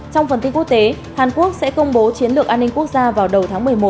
trong phần tin quốc tế hàn quốc sẽ công bố chiến lược an ninh quốc gia vào đầu tháng một mươi một